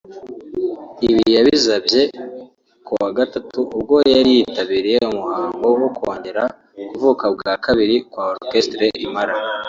Ibi yabizabye kuwa Gatandatu ubwo yari yitabiriye umuhango wo kongera kuvuka bwa kabiri kwa Orchestre Impala